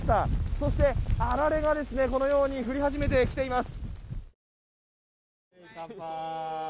そして、あられがこのように降り始めてきています。